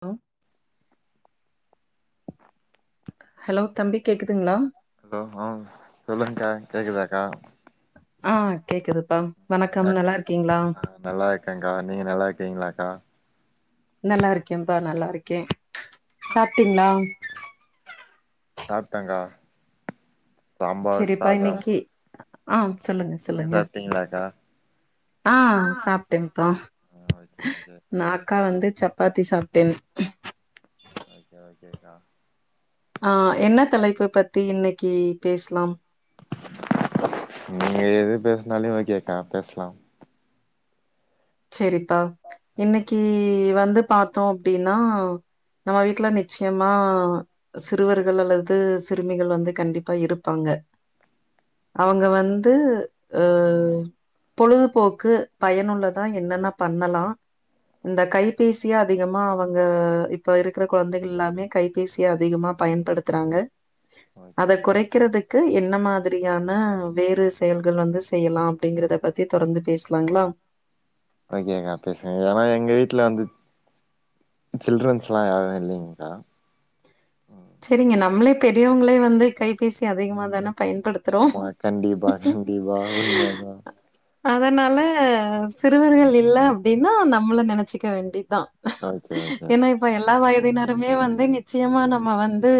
அ hello தம்பி கேட்குதுங்களா hello ஆ சொல்லுங்க்கா கேக்குதாக்கா ஆ கேக்குதுப்பா ம் வணக்கம் நல்லா இருக்கீங்களா ஆ நல்லா இருக்கேன்க்கா நீங்க நல்லா இருக்கீங்களாக்கா நல்லா இருக்கேன்ப்பா நல்லா இருக்கேன் சாப்ட்டீங்களா சாப்டேன்க்கா சாம்பார் சரிப்பா சாதம் இன்னைக்கு ஆ சொல்லுங்க நீங்க சொல்லுங்க சாப்ட்டீங்களாக்கா ஆ சாப்பட்டேன்க்கா ஆ ஓகே ஓகேக்கா நா அக்கா வந்து சப்பாத்தி சாப்ட்டேன் ஓகே ஓகேக்கா ஆ என்ன தலைப்பு பத்தி இன்னைக்கு பேசலாம் நீங்க எது பேசினாலு ஓகேக்கா பேசலாம் செரிப்பா இன்னைக்கு வந்து பாத்தோ அப்டின்னா நம்ம வீட்ல நிச்சயமா சிறுவர்கள் அல்லது சிறுமிகள் வந்து கண்டிப்பா இருப்பாங்க அவங்க வந்து அ பொழுதுபோக்கு பயனுள்ள தா என்னென்ன பண்ணலா இந்த கைபேசிய அதிகமா அவங்க இப்ப இருக்கிற குழந்தைகள் எல்லாமே கைபேசி அதிகமா பயன்படுத்துறாங்க ஓகே அத குறைக்கிறதுக்கு என்ன மாதி மாதிரியான வேறு செயல்கள் வந்து செய்யலா அப்படிங்கறத பத்தி தொடர்ந்து பேசலாங்களா ஓகேக்கா பேசுங்க ஏனா எங்க வீட்ல வந்து சில்ட்ரன்ஸ்லா யாரு இல்லைங்க்கா ம் செரிங்க நம்மளே பெரியவங்களே வந்து கைபேசி அதிகமா தானே ஆமா கண்டிப்பா கண்டிப்பா உண்மதா அதனால சிறுவர்கள் இல்ல அப்டின்னா நம்மள நினைச்சிக்க வேண்டிதா ஓகே ஏன்னா ஓகேக்கா இப்ப எல்லா வயதினருமே வந்து நிச்சயமா நம்ம வந்து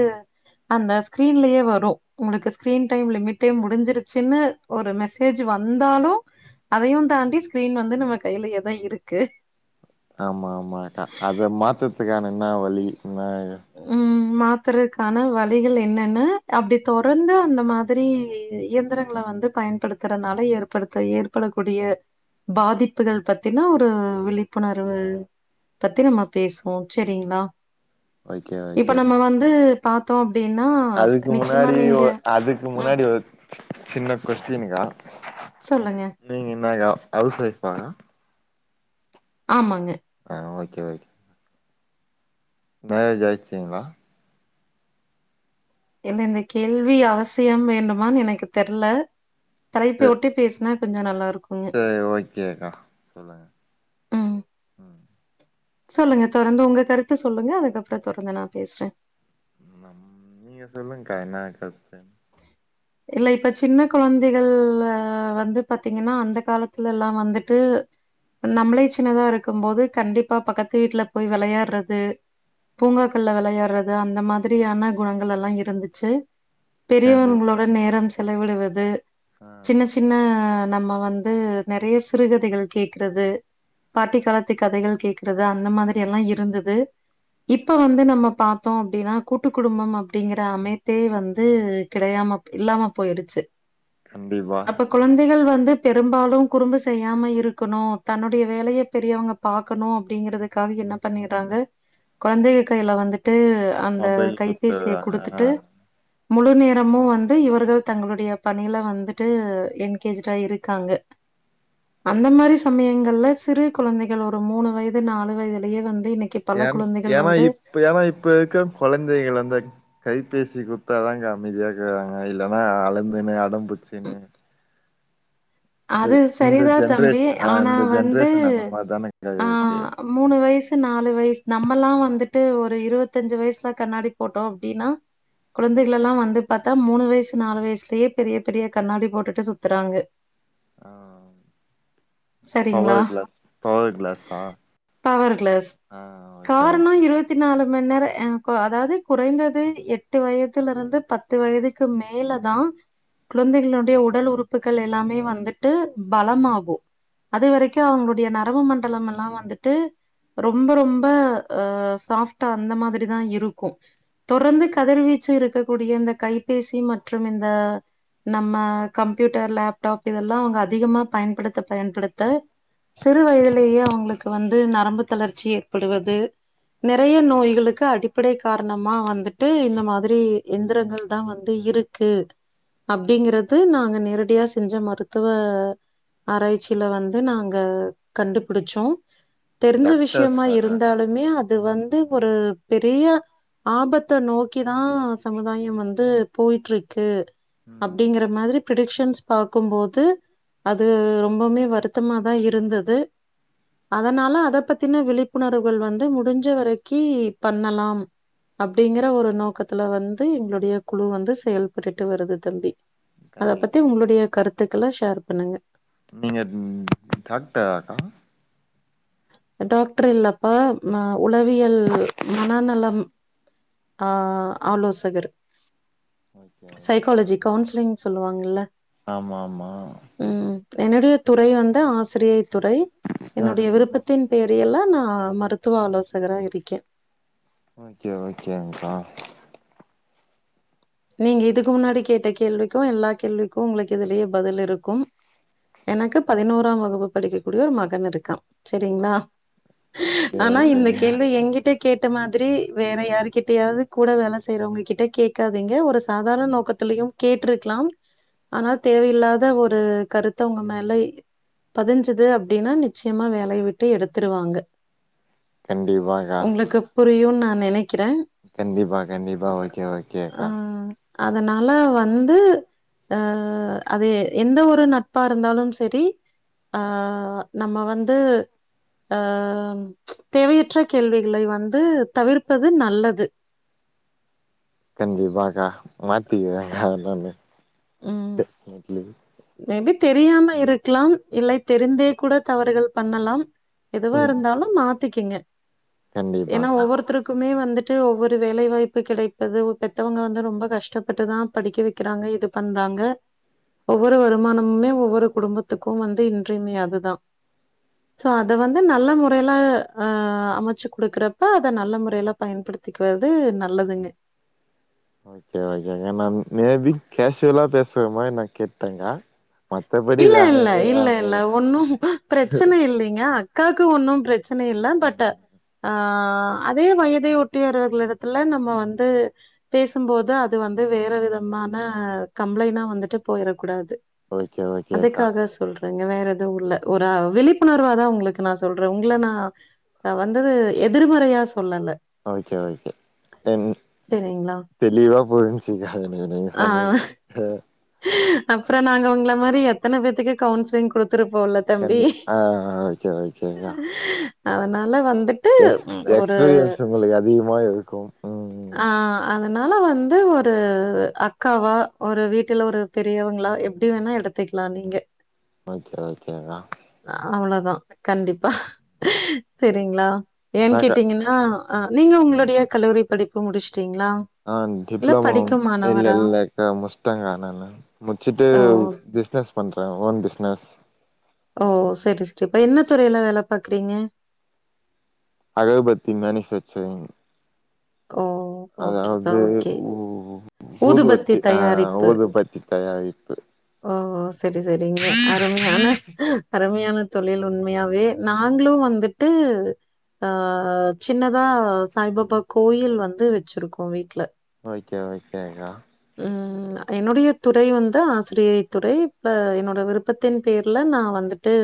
அந்த ஸ்கிரீன்லயே வரு உங்களுக்கு ஸ்கிரீன் டைம் லிமிட் டைம் முடிஞ்சிருச்சுன்னு ஒரு மெசேஜ் வந்தாலு அதையு தாண்டி ஸ்கிரீன் வந்து நம்ம கையிலயேதா இருக்கு ஆமா ஆமாக்கா அத மாத்ததுக்கான என்ன வழி என்ன ம் மாத்துறதுக்கான வழிகள் என்னன்னு அப்டி தொடர்ந்து அந்த மாதிரி இயந்திரங்கள வந்து பயன்ப ஏற்படுத்துற நிலை ஏற்படுத்த ஏற்படக்கூடிய பாதிப்புகள் பத்தின ஒரு விழிப்புணர்வு பத்தி நம்ம பேசுவோ சரிங்களா ஓகே இப்ப ஓகே நம்ம வந்து பாத்தோ அப்டின்னா அதுக்கு நிச்சயமா முன்னாடி நீங்க ஒ அதுக்கு ம் முன்னாடி ஒரு சின்ன கொஸ்டின்க்கா சொல்லுங்க நீங்க என்னக்கா ஹவுஸ் ஒய்ஃபா ஆமாங் ஆ ஓகே ஓகே மேரேஜ் ஆயிச்சிங்களா இல்ல இந்த கேள்வி அவசியம் வேண்டுமான்னு எனக்கு தெர்ல சே தலைப்ப ஒட்டி பேசுனா கொஞ்ச நல்லா இருக்குங்க சேரி ஓகேக்கா சொல்லுங்க ம் ம் சொல்லுங்க தொறந்து உங்க கருத்து சொல்லுங்க அதுக்கப்புற தொறந்து நா பேசுறே ஆமா நீங்க சொல்லுங்க்கா என்னா கருத்து இல்ல இப்ப சின்ன கொழந்தைகள் வந்து பாத்தீங்கன்னா அந்த காலத்துல எல்லாம் வந்துட்டு நம்மளை சின்னதா இருக்கும் போது கண்டிப்பா பக்கத்து வீட்டுல போய் வெளையாடுறது பூங்காக்கள்ல வெளையாடுறது அந்த மாதிரியான குணங்கள் எல்லாம் இருந்துச்சு கண்டி பெரியவங்களோட நேரம் செலவிடுவது ஆ சின்ன சின்ன நம்ம வந்து நெறைய சிறுகதைகள் கேகறது பாட்டி காலத்து கதைகள் கேக்குறது அந்த மாதிரி எல்லாம் இருந்தது இப்ப வந்து நம்ம பத்தோ அப்டின்னா கூட்டு குடும்பம் அப்படிங்கிற அமைப்பே வந்து உம்க கெடையாம இல்லாம போயிடுச்சு கண்டிப்பா கொழந்தைகள் வந்து பெரும்பாலும் குறும்பு செய்யாம இருக்கணும் தன்னுடைய வேலையை பெரியவங்க பாக்கணும் அப்படிங்கறதுக்காக என்ன பண்ணறாங்க குழந்தைகள் கையில வந்துட்டு அந்த மொபைல் கைபேசிய குடுத்துறாங்க ஆ குடுத்துட்டு முழு நேரமும் வந்து இவர்கள் தங்களுடைய பணியில வந்துட்டு என்கேஜ்டா இருக்காங்க [inaudible] அந்த மாதிரி சமயங்கள்ல சிறு கொழந்தைகள் ஒரு மூணு வயது நாலு வயதுலயே வந்து இன்னைக்கு பல ஏ குழந்தைகள் ஏன்னா வந்து இப்ப ஏன்னா இப்ப இருக்க கொழந்தைகள் வந்து கைபேசி குடுத்தாதா அமைதியா இருக்குறாங்க இல்லன்னா அழுந்துன்னு அடம்பிச்சன்னு அது இந்த சரிதா தம்பி ஜென்ரேஷன் ஆ ஆனா இந்த வந்து ஜென்ரேஷன் அந்த மாரிதானக்கா ஆ இருக்கு மூணு வயசு நாலு வயசு நம்மல்லா வந்துட்டு ஒரு இருபத்தஞ்சு வயசுலாம் கண்ணாடி போட்டோம் அப்டின்னா குழந்தைகள் எல்லாம் வந்து பாத்தா மூணு வயசு நாலு வயசுலயே பெரிய பெரிய கண்ணாடி போட்டுட்டு சுத்துறாங்க ஆ சரிங்களா பவர் க்ளாஸ் பவர் க்ளாஸ் அ பவர் கிளாஸ் ஓகே காரணோ ஓகே இருவத்தி நாலு மணி நேரோ அதாவது குறைந்தது எட்டு வயதில இருந்து பத்து வயதுக்கு கு மேல தா குழந்தைகளோடைய உடல் உறுப்புகள் எல்லாமே வந்துட்டு பலமாகு அது வரைக்கு அவுங்களுடையங் நரவு மண்டலம் எல்லா வந்துட்டு ரொம்ப ரொம்ப அ சாஃப்டா அந்த மாதிரி தா இருக்கூ தொர்ரந்து கதிர்வீச்சு இருக்கக்கூடிய இந்த கைபேசி மற்றும் இந்த நம்ம கம்ப்யூட்டர் லேப்டாப் இதெல்லா அவுங்க அதிகமா பயன்படுத்த பயன்படுத்த சிறு வயதிலியே அவுங்ளுக்கு வந்து நரம்பு தளர்ச்சி ஏற்படுவது நெறைய நோய்களுக்கு அடிப்படை காரணமா வந்துட்டு இந்த மாதிரி எந்திரங்கள் தா வந்து இருக் கு அப்டிங்கறது நாங்க நேரடியா செஞ்ச மருத்துவ ஆராய்ச்சில வந்து நாங்க கண்டுபிடிச்சோ தெரிஞ்ச விஷ்யமா டாக்டர்ஸாக்கா நீங்க இருந்தாலுமே அது வந்து ஒரு பெரிய ஆபத்த நோக்கிதா சமுதாயம் வந்து போய்ட்ருக்கு ம் அப்டிங்கற மாதிரி ப்ரிடிக்ஷன்ஸ் பாக்கும்போது அது ரொம்பவுமே வருத்தமாதா இருந்தது அதனால அத பத்தின விழிப்புணர்வுகள் வந்து முடிஞ்ச வரைக்கி பண்ணலாம் அப்டிங்கற ஒரு நோக்கத்துல வந்து எங்ளுடைய குழு வந்து செயல்பட்டுட்டு வருது தம்பி அத கண்டிப் பத்தி உங்ளுடைய கருத்துக்கள ஷேர் பண்ணுங்க நீங்க உம் டாக்டரா அக்கா டாக்ட்ர் இல்லப்பா உளவியல் மனநலம் ஆ ஆலோசகர் ஓகே ஓகே சைக்காலஜி கவுன்ஸ்லிங் சொல்லுவாங்கல்ல ஆமா ஆமா உம் என்னுடைய துறை வந்து ஆசிரியை துறை என்னுடைய ம் விருப்பத் தின் பேரியல்ல நா மருத்துவ ஆலோசகரா இருக்கே ஓகே ஓகேங்க்கா நீங்க இதுக்கு முன்னாடி கேட்ட கேள்விக்கோ எல்லா கேள்விக்கோ உங்ளுக்கு இதுலேயே பதில் இருக்கும் எனக்கு பதினோராம் வகுப்பு படிக்க கூடிய ஒரு மகன் இருக்கா சரிங்ளா ஓகே ஆனா ஓகே இந்த கேள்வி எங்கிட்ட கேட்ட மாதிரி வேற யாருகிட்டயாவது கூட வேல செய்றவங்க கிட்ட கேக்கா நீங்க ஒரு சாதாரண நோக்கத்திலயும் கேட்ருக்லாம் ஆனா தேவயில்லாத ஒரு கருத்த உங்க மேலை பதிஞ்சுது அப்டின்னா நிச்சயமா வேலய விட்டு எடுத்துருவாங்க கண்டிப்பாக்கா உங்களுக்கு புரியு நா நெனைக்கிறே கண்டிப்பா கண்டிப்பா ஓகே ஓக் ம் அதனால வந்து அ அது எந்த ஒரு நட்பா இருந்தாலும் செரி அ நம்ம வந்து அ தேவையுற்ற கேள்விகளை வந்து தவிர்ப்பது நல்லது கண்டிப்பாக்கா மாத்திக்குற ம் [unintelligible] மேபி தெரியாம இருக்லாம் இல்லை தெரிந்தே கூட தவறுகள் பண்ணலாம் எதுவா ம் இருந்தாலும் மாத்திக்குங்க ஏன்னா கண்டிப்பாக்கா ஒவ்வொருத்ருக் க்குமே வந்துட்டு ஒவ்வொரு வேலைவாய்ப்பு கெடைப்பது பெத்தவங்க வந்து ரொம்ப கஷ்டப்பட்டு தா படிக்க வெக்கிறாங்க இது பண்றாங்க ஒவ்வொரு வருமானமுமே ஒவ்வொரு குடும்பத்துக்கும் வந்து இன்றி அமையாது தா ஸோ அத வந்து நல்ல மொறைல அ அமச்சு குடுக்கறப்ப அத நல்ல முறைல பயன்படுத்திக்றது நல்லதுன்னு ஓகே கா நா மேபி கேஷுவ்லா பேசுற மாரி நா கேட்டங்கா இல்ல இல்ல இல்ல இல்ல ஒன்னும் பிரச்சன இல்லிங்க அக்காவுக்கு ஒன்னும் பிரச்சன இல்ல பட்டு அ அதே வயதை ஒட்டியவர்கள இடத்துல நம்ம வந்து பேசும்போது அது வந்து வேற விதமான கம்ப்ளைனா வந்துட்டு போயிட கூடாது [inaudible] அதுக்காக சொல்றேங்க வேற எதுவும் இல்ல ஒரு விழிப்புணர்வாதான் உங்களுக்கு நான் சொல்றேன் உங்களை நான் நா வந்தது எதிர்மறையா சொல்லல ஓகே ஓகே டென் சரிங்களா? தெளிவா புரிஞ்சுச்சுக்கா நீங்க சொன்னது அ அப்பறம் நாங்க உங்கள மாதிரி எத்தன பேத்துக்கு கவுன்சிலிங் குடுத்துருப்போம்ல தம்பி. அ ஒகே ஒகேக்கா அதனால வந்து எக்ஸ்எக்ஸ்பீரியன்ஸ் உங்களுக்கு அதிகமா இருக்கும் ம் ஆ அதனால வந்து ஒரு அக்காவா ஒரு வீட் வீட்டுல ஒரு பெரியவங்களா எப்டி வேணா எடுத்துக்கலாம் நீங்க ஓகே ஓகேங்கா அவ்ளவுதான் கண்டிப்பா சரிங்களா ஏன் நாக்கா கேட்டீங்கன்னா அ நீங்க உங்களுடைய கல்லூரி படிப்பு முடிச்சுட்டீங்களா அ இல்ல டிப்ளோமோ படிக்கும் இல்ல மாணவரா? இல்ல முடிச்சிட்டேக்கா நானு முடிச்சுட்டு ஓ! பிஸ்னஸ் பண்றேன் ஓன் பிஸ்னஸ் ஓ சரி [unintelligible] என்ன துறையில வேலை பாக்குறீங்க அகர்பத்தி மேனுபேக்சர்ல ஓ ஓகேப்பா, அதாவது ஓகே. உ ஊதுபத்தி ஊதுவத்தி ஆ தயாரிப்பு. ஊது பத்தி தயாரிப்பு ஓ செரி செரிங்க அருமையான அருமையான தொழில் உண்மையாவே நாங்ளு வந்துட்டு அ சின்னதா சாய்பாபா கோயில் வந்து வச்சிருக்கோ வீட்ல ஓகே ஓகோக்கா ம் என்னுடைய துறை வந்து ஆசிரியை துறை இப்ப என்னோட விருப்பத்தின் பேர்ல நா வந்து ட்டு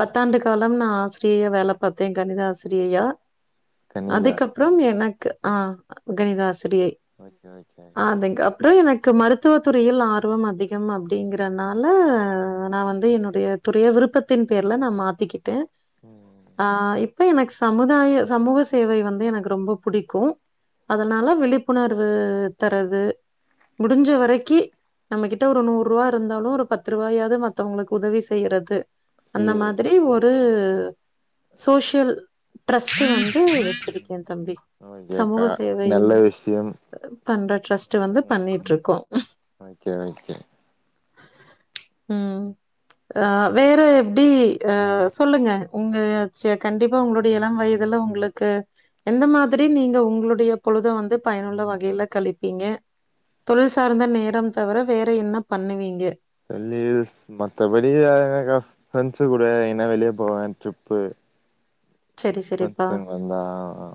பத்தாண்டு காலம் நா ஆசிரியையா வேல பாத்தே கணித ஆசிரியையா கன்னிதாஸ் அதுக்கப்றம் எனக்கு ஆ கணித ஆசிரியை ஓகே ஓகே அக்கா அதுக்கப்றொ எனக்கு மருத்துவ துறையில் ஆர்வம் அதி கம் அப்டிங்குறனால நா வந்து என்னுடைய துறைய விருப்பத்தின் பேர்ல நா மாத்திக்கிட்டே ம் ஆ இப்ப எனக் ச சமுதாய சமூக சேவை வந்து எனக்கு ரொம்ப புடிக்கு அதுனால விழிப்புணர்வு தரது முடுஞ்ச வரைக்கி நம்ம கிட்ட ஒரு நூறுவா இருந்தாலு ஒரு பத்து ரூவாயாது மத்தவங்ளுக்கு உதவி செய்யறது அந்த ஐயோ மாதிரி ஒரு சோஷியல் ட்ரஸ்ட் வந்து வச்சுருக்கே தம்பி ஓகே சமூக அக்கா சேவை நல்ல விஷயம் ன்ற ட்ரஸ்ட் வந்து பண்ணிட்டு இருக்கோ ஓகே ஓகே ம் அ வேற எப்டி அ சொல்லுங்க உங்க சில கண்டிப் இப்ப உங்ளுடைய இளம் வயதுல உங்ளுக்கு எந்த மாதிரி நீங்க உங்களுடைய பொழுத வந்து பயனுள்ள வகையில கழிப்பீங்க தொழில் சார்ந்த நேரம் தவர வேற என்ன பண்ணுவீங்க [unintelligible] மத்தபடி வேற எங்கக்கா ஃப்ரெண்டஸ் கூட எங்னா வெளிய போவே ட்ரிப்பு சரி ஃப்ரெண்ட்ஸ் சரிப்பா கேங் வந்தா ஆ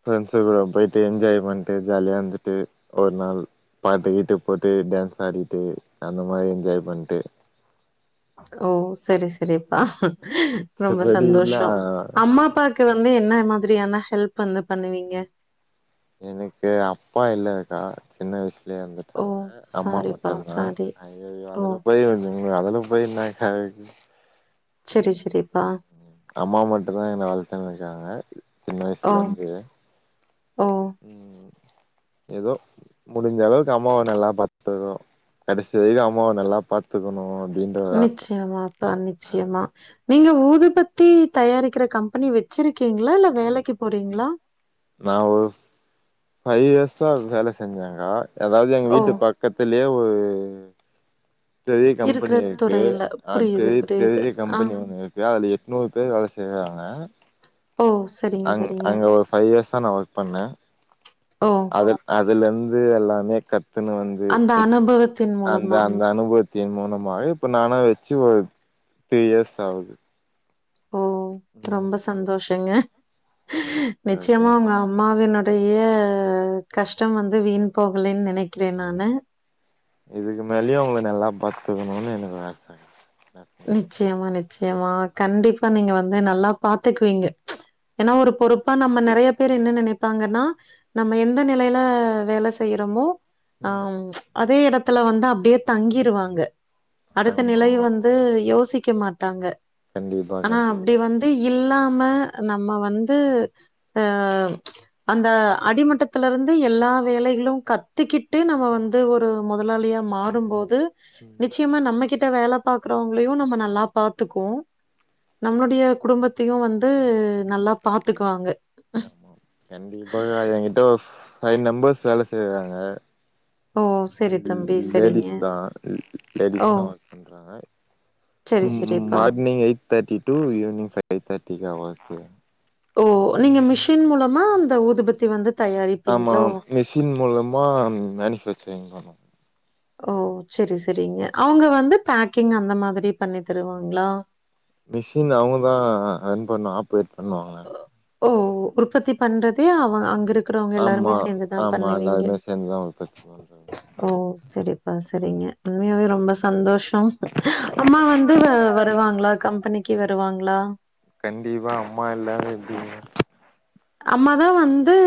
ஃப்ரெண்ட்ஸ் கூட போயிட்டு என்ஜாய் பண்ட்டு ஜாலியா இர்ந்துட்டு ஒரு நாள் பாட்டு கீட்டு போட்டு டான்ஸ் ஆடிட்டு அந்த மாரி என்ஜாய் பண்ட்டு ஓ செரி செரிப்பா ரொம்ப மத்தபடிலா சந்தோஷொ அம்மா அப்பா க்கு வந்து என்ன மாதிரியான ஹெல்ப் வந்து பண்ணுவீங்க எனக்கு அப்பா இல்லங் க்கா சின்ன வயசு லே ஓ! எறந்துட்டாங்க அம்மா சாரிப்பா, மட்டுந் தா சாரி. ஐயயோ ஓ! அதுல போய் வந்து அதுல போய் என்னக்கா [unintelligible] செரி செரிப்பா அம்மா மட்டுந் தா என்ன வளத்தன் வைக்காங்க சின்ன ஓ! வயசுல இருந்து ஓ! ம் எதோ முடிஞ்ச அளவுக்கு அம்மாவ நல்லா பாத்துக்னு கடசி வரிக்கு அம்மாவ நல்லா பாத் துக்கணு அப்டின்டு நிச்சயமா ப்பா நிச்சியமா நீங்க ஊதுபத்தி தயாரிக்கிற கம்பெனி வச்சிருக்கீங்ளா இல்ல வேலைக்கு போறீங்ளா நா ஒரு ஃபைவ் இயர்ஸா வேல செஞ்சேங்க்கா அதாது எங்க ஓ! வீட்டு பக் கத்துலே ஒரு பெரிய இருக்கிற கம்பெனி இருக்கு துறையில. அ புரியுது, பெரிய புரியுது. பெரிய ஆ. கம்பெனி ஒன்னு இருக்கு க்கா அது எட்நூறு பேர் வேல செய்றாங்க ஓ! சரிங்க, அங் சரிங்க. அங்க ஒரு ஃபைவ் இயர்ஸா நா ஒர்க் பண்ணே ஓ அதுல இருந்து எல்லாமே கத்துன்னு வந்து அந்த இப் அனுபவத்தின் அந்தா மூலமா. அந்த அனுபவத்தின் மூலமாக இப்ப நானா வெச்சு ஒரு த்ரீ இயர்ஸ் ஆவுது ஓ ரொம்ப சந்தோஷங்க ஓகே நிச்சயமா உங்க ஓகே அம் மாவினுடைய கஷ்டம் வந்து வீண் போகலேன்னு நெனைக்கிறே நானு இதுக்கு மேலேயு அவங்கள நல்லா பாத்துக்கணுனு எனக்கு ஆச [inaudible] நிச்சயமா ஆ நிச்சயமா கண்டிப்பா நீங்க வந்து நல்லா பாத்துக்குவீங்க ஏன்னா ஒரு பொறுப் பா நம்ம எ நெறைய பேர் என்ன நெனைப்பாங்கன்னா நம்ம எந்த நிலையில வேல செய்றோமோ ஆ ம் அதே இடத்துல வந்து அப்டியே தங்கிருவாங்க அடுத்த ஆமா நிலை ஆமா வந் து யோசிக்க மாட்டாங்க கண்டிப்பா ஆனா அப்டி கண்டிப்பாங்க வந் து இல்லாம நம்ம வந்து ஆ அந்த அடிமட்டத்துல இருந்து எல்லா வேலைகளு கத்துக்கிட்டு நம்ம வந் து ஒரு முதலாளியா மாறும்போது நிச்சயமா நம்மகிட்ட வேலப் பாக்குறவங்களையு நம்ம நல்லா பாத்துக்கோ நம்மளுடைய குடும்பத்தையு வந்து நல்லா பாத்துக்குவாங்க ஆமா கண்டிப்பா எகிட்ட ஒரு ஃபைவ் மெம்பர்ஸ் வேல செய்றாங்க ஓ! சரி தம்பி, ல் சரிங்க. லேடிஸ் தா ல் ஓ! லேடிஸ் தா பண்றாங்க சரி, ம் ம் சரிப்பா. Morning eight thirty to evening five thirty தா அவங்க வேல் செய்றாங் ஓ நீங்க மிஷின் மூலமா அந்த ஊதுபத்தி வந்து ஆமா தயாரிப்பீங்களோ? மிஷின் மூலமா மேனுஃபேக்சரிங் பண்ணுவோ ஓ சரி சரிங்க அவங்க வந்து பேக்கிங் அந்த மாதிரி பண்ணி தருவாங்களா மிஷின் அவங்க தா என் பண்ண ஆப்ரேட் பண்ணுவாங்க ஓ உற்பத்தி பண்றதே அவ அங்க இருக் குறவங்க எல்லாருமே ஆமா சேந்துதா ஆமா பண்ணுவீங்க எல்லாருமே சேந்துதா உற்பத்தி பண்றாங்க ஓ சரிப்பா சரிங்க உண்மையாவே ரொம்ப சந்தோஷ் ம் அம்மா வந்து வ வருவாங்களா கம்பெனிக்கு வருவாங்களா கண்டிப்பா அம்மா இல்லாம எப்டிங்க அம்மா தா வந்து